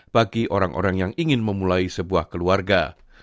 bagi orang orang yang ingin memulai sebuah keluarga